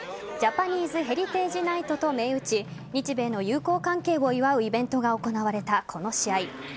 ジャパニーズ・ヘリテージ・ナイトと銘打ち日米の友好関係を祝うイベントが行われたこの試合。